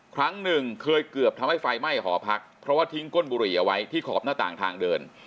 ครั้งหนึ่งเคยเกือบทำให้ไฟไหม้หอพักเพราะว่าทิ้งก้นบุหรี่เอาไว้ที่ขอบหน้าต่างทางเดิน